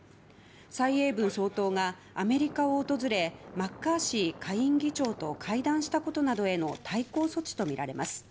蔡英文総統がアメリカを訪れマッカーシー下院議長と会談したことなどへの対抗措置とみられます。